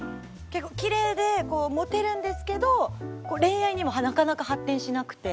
キレイでモテるんですけど恋愛にはなかなか発展しなくて。